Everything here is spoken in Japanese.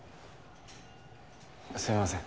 すいません。